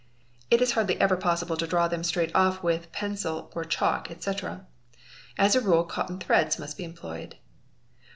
Fig. 85. It is hardly ever possible to draw them straight off with pencil or chalk, etc.; as a rule cotton threads must be employed.